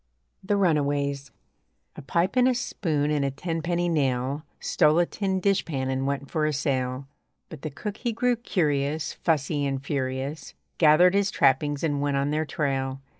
THE RUNAWAYS A pipe and a spoon and a tenpenny nail Stole a tin dishpan and went for a sail. But the cook he grew curious, Fussy, and furious; Gathered his trappings, and went on their trail.